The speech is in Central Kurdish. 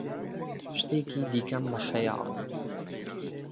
شتێکی دیکەم لە خەیاڵە.